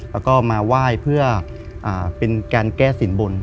แล้วก็มาไหว้เพื่อเป็นการแก้สินบน